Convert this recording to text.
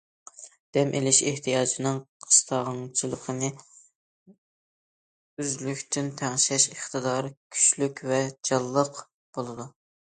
دەم ئېلىش ئېھتىياجىنىڭ قىستاڭچىلىقنى ئۆزلۈكىدىن تەڭشەش ئىقتىدارى كۈچلۈك ۋە جانلىق بولىدۇ.